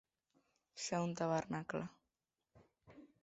Ser un tabernacle.